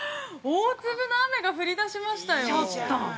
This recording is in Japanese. ◆大粒の雨が降り出しましたよ。